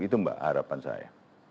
itu mbak harapan saya